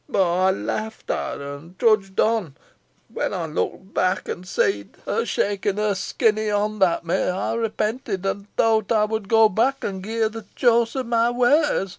Ey laughed at her, an trudged on, boh when I looked back, an seed her shakin' her skinny hond at me, ey repented and thowt ey would go back, an gi' her the choice o' my wares.